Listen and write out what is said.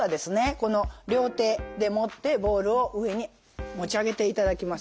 この両手で持ってボールを上に持ち上げていただきます。